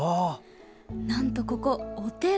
なんとここ、お寺。